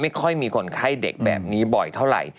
ไม่ค่อยมีคนไข้เด็กแบบนี้บ่อยเท่าไหร่